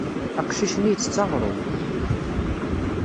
Aqcic-nni ittett aɣrum.